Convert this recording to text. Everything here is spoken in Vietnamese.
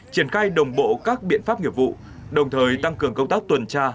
triển khai đồng bộ các biện pháp nghiệp vụ đồng thời tăng cường công tác tuần tra